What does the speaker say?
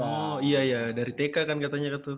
oh iya iya dari tk kan katanya tuh